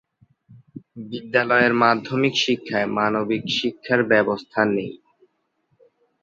বিদ্যালয়ের মাধ্যমিক শিক্ষায় মানবিক শিক্ষার ব্যবস্থা নেই।